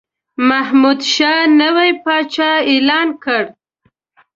محمودشاه نوی پاچا اعلان کړ.